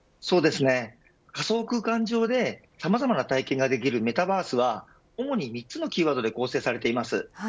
仮想空間上で、さまざまな体験ができるメタバースは主に３つのキーワードで構成されています。